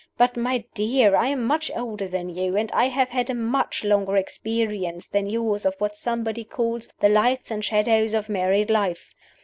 But, my dear, I am much older than you, and I have had a much longer experience than yours of what somebody calls 'the lights and shadows of married life.